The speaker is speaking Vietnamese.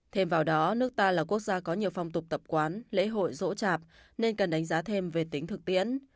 thêm vào đó nước ta là quốc gia có nhiều phong tục tập quán lễ hội rỗ chạp nên cần đánh giá thêm về tính thực tiễn